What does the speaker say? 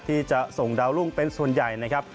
ที่จะส่งดาวรุ่งเป็นส่วนใหญ่นะครับ